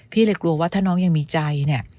พี่เลยกลัวว่าถ้าน้องยังมีใจเนี่ย